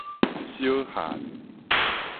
小寒